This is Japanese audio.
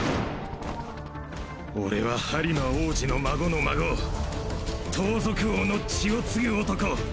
俺は張間歐児の孫の孫盗賊王の血を継ぐ男！